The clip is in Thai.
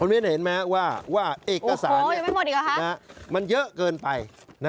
วินเห็นไหมว่าเอกสารมันเยอะเกินไป